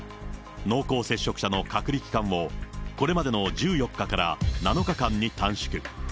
濃厚接触者の隔離期間をこれまでの１４日から７日間に短縮。